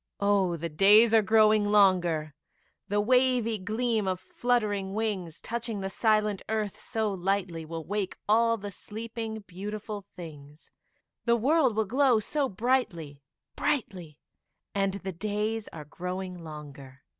Oh, the days are growing longer, The wavy gleam of fluttering wings, Touching the silent earth so lightly, Will wake all the sleeping, beautiful things, The world will glow so brightly brightly; And the days are growing longer.